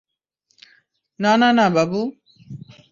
না, না, না, বাবু।